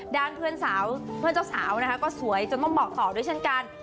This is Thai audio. ด้านเพื่อนเจ้าสาวก็สวยจนต้องบอกต่อด้วยเช่นกัน